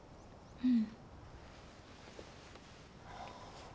うん。